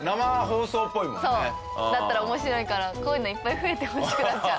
だったら面白いからこういうのいっぱい増えてほしくなっちゃう。